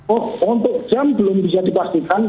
oh untuk jam belum bisa dipastikan